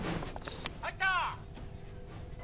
入った！